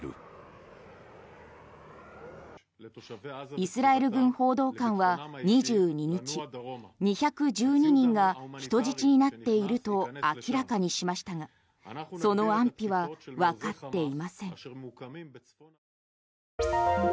イスラエル軍報道官は２２日２１２人が人質になっていると明らかにしましたがその安否はわかっていません。